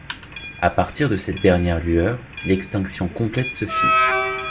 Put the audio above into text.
À partir de cette dernière lueur, l’extinction complète se fit.